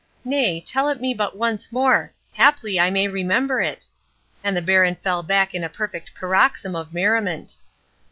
—nay, tell it me but once more, haply I may remember it"—and the Baron fell back in a perfect paroxysm of merriment.